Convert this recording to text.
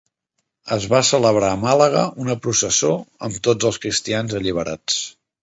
Es va celebrar a Màlaga una processó amb tots els cristians alliberats.